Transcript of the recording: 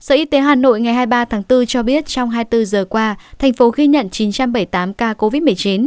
sở y tế hà nội ngày hai mươi ba tháng bốn cho biết trong hai mươi bốn giờ qua thành phố ghi nhận chín trăm bảy mươi tám ca covid một mươi chín